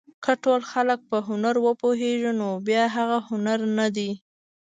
که ټول خلک په هنر وپوهېږي نو بیا هغه هنر نه دی.